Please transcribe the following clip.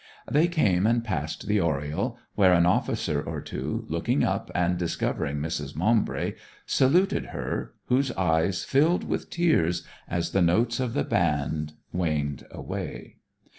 They came and passed the oriel, where an officer or two, looking up and discovering Mrs. Maumbry, saluted her, whose eyes filled with tears as the notes of the band waned away.